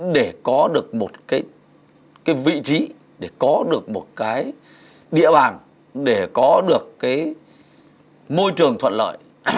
để có được một cái vị trí để có được một cái địa bàn để có được cái môi trường thuận lợi